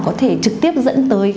có thể trực tiếp dẫn tới